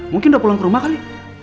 mungkin udah pulang ke rumah kali